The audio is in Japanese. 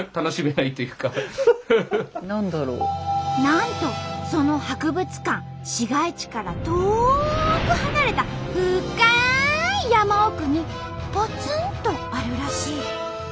なんとその博物館市街地から遠く離れた深い山奥にポツンとあるらしい。